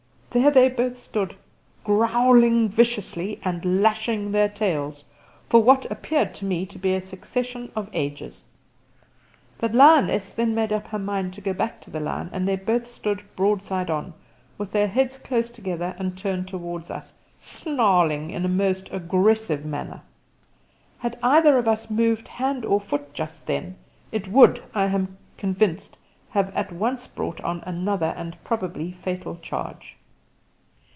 There they both stood, growling viciously and lashing their tails, for what appeared to me to be a succession of ages. The lioness then made up her mind to go back to the lion, and they both stood broadside on, with their heads close together and turned towards us, snarling in a most aggressive manner. Had either of us moved hand or foot just then, it would, I am convinced, have at once brought on another and probably a fatal charge.